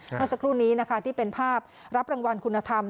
เมื่อสักครู่นี้นะคะที่เป็นภาพรับรางวัลคุณธรรม